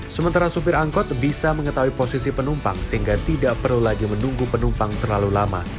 sementara supir angkot bisa mengetahui posisi penumpang sehingga tidak perlu lagi menunggu penumpang terlalu lama